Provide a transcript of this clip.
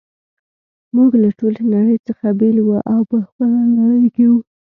موږ له ټولې نړۍ څخه بیل وو او په خپله نړۍ کي وو.